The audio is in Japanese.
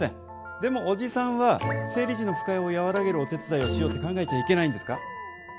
でもおじさんは生理時の不快をやわらげるお手伝いをしようって考えちゃいけないんですか？